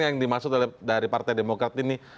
yang dimaksud dari partai demokrat ini